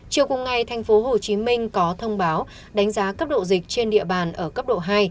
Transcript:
chiều cùng ngày tp hcm có thông báo đánh giá cấp độ dịch trên địa bàn ở cấp độ hai